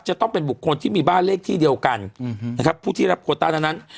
จะต้องเป็นบุคคลที่มีบ้านเลขที่เดียวกันนะครับผู้ที่รับโคต้านั้น